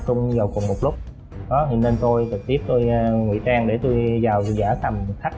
trung vào cùng một lúc đó thì nên tôi trực tiếp tôi ngụy trang để tôi vào giả tầm khách